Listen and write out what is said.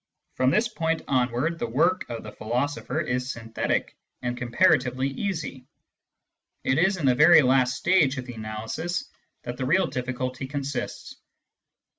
From this point onward, the work of the philo sopher is synthetic and comparatively easy ; it is in the very last stage of the analysis that the real difficulty consists.